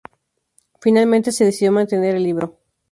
Finalmente se decidió mantener el libro.